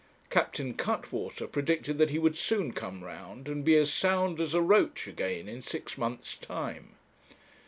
Captain Cuttwater predicted that he would soon come round, and be as sound as a roach again in six months' time.